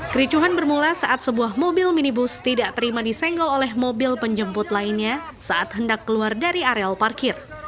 kericuhan bermula saat sebuah mobil minibus tidak terima disenggol oleh mobil penjemput lainnya saat hendak keluar dari areal parkir